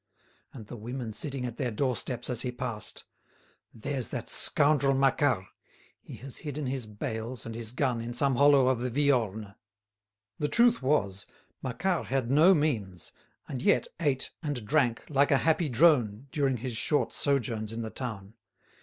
And the women sitting at their doorsteps as he passed: "There's that scoundrel Macquart! He has hidden his bales and his gun in some hollow of the Viorne." The truth was, Macquart had no means, and yet ate and drank like a happy drone during his short sojourns in the town.